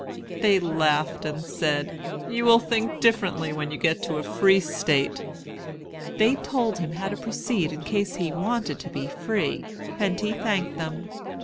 They laughed, and said, "You will think differently when you get into a Free State." They told him how to proceed in case he wanted to be free, and he thanked them.